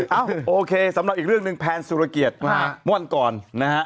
เอาโอเคสำหรับอีกเรื่องหนึ่งแพรนสุรเกียรติม่วนกรนะฮะ